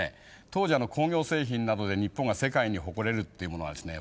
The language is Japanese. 当時工業製品などで日本が世界に誇れるっていうものはですね